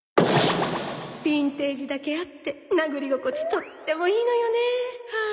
ビンテージだけあって殴り心地とってもいいのよねはあ。